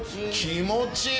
気持ちいい。